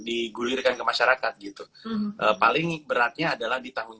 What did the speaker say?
digulirkan ke masyarakat gitu paling beratnya adalah di tahun